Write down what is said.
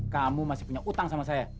kamu masih punya utang sama saya